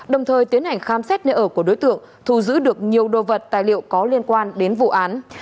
đồng thời tiến hành khám xét nơi ở của đối tượng thu giữ được nhiều đồ vật tài liệu có liên quan đến vụ án